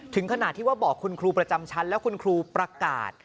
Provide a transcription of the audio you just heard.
ถึงขนาดที่ว่าบอกคุณครูประจำชั้นแล้วคุณครูประกาศ